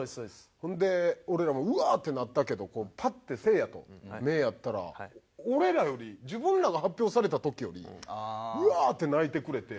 ほんで俺らもうわってなったけどパッてせいやと目ぇ合ったら俺らより自分らが発表された時よりうわって泣いてくれて。